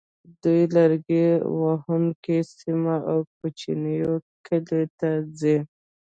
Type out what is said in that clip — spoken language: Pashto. دوی لرګي وهونکو سیمو او کوچنیو کلیو ته ځي